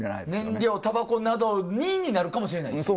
燃料、たばこなどにになるかもしれない。